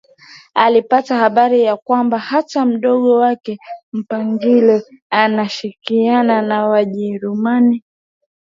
Alipata habari ya kwamba hata mdogo wake Mpangile anashirikiana na Wajerumani